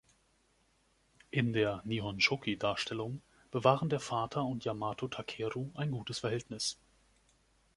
In der „Nihonshoki“-Darstellung bewahren der Vater und Yamato Takeru ein gutes Verhältnis.